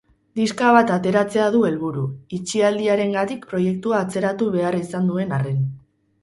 Diska bat ateratzea du helburu, itxialdiarengatik proiektua atzeratu behar izan duen arren.